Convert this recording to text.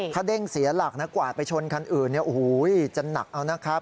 ถ้าเด้งเสียหลักนะกวาดไปชนคันอื่นจะหนักเอานะครับ